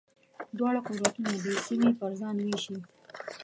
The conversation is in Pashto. دواړه قدرتونه دې سیمې پر ځان وېشي.